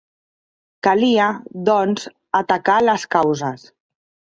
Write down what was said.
Calia, doncs, atacar les causes.